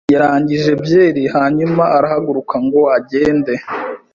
yarangije byeri hanyuma arahaguruka ngo agende.